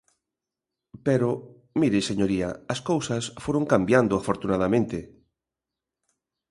Pero, mire, señoría, as cousas foron cambiando, afortunadamente.